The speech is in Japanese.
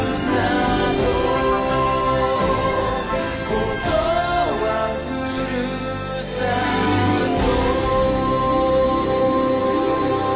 「ここはふるさと」